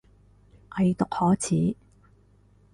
偽毒可恥